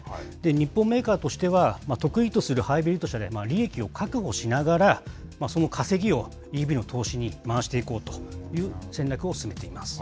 日本メーカーとしては、得意とするハイブリッド車で利益を確保しながら、その稼ぎをＥＶの投資に回していこうという戦略を進めています。